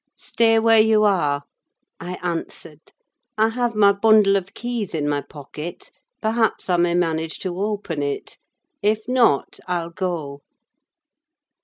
"Stay where you are," I answered; "I have my bundle of keys in my pocket: perhaps I may manage to open it; if not, I'll go."